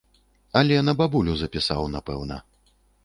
Але на бабулю запісаў, напэўна.